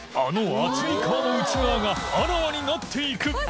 厚い皮の内側があらわになっていく春日）